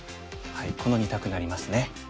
この２択になりますね。